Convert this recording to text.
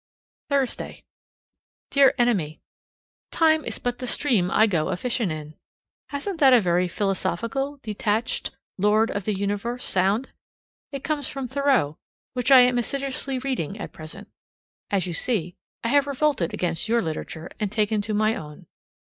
Thursday. Dear Enemy: "Time is but the stream I go a fishing in." Hasn't that a very philosophical, detached, Lord of the Universe sound? It comes from Thoreau, whom I am assiduously reading at present. As you see, I have revolted against your literature and taken to my own again.